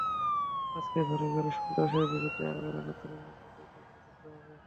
আজকে ঘরে ঘরে সন্ত্রাসের বিরুদ্ধে আবার একাত্তরের মতো দুর্গ গড়ে তুলতে হবে।